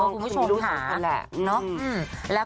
ถูกต้องคุณผู้ชมก่อนแหละ